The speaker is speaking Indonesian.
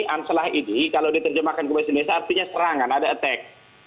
anslah ini kalau diterjemahkan ke bahasa indonesia artinya serangan ada attack